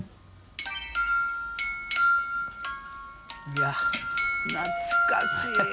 いや懐かしい。